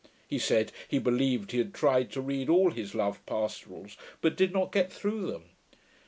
He said, he believed he had tried to read all his Love Pastorals, but did not get through them.